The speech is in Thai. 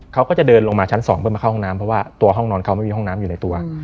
เขาก็จะเดินลงมาชั้น๒เพื่อมาเข้าห้องน้ำเพราะว่าตัวห้องนอนเขาไม่มีห้องน้ำอยู่ในตัว